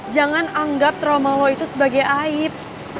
jangan anggap trauma itu sebagai aib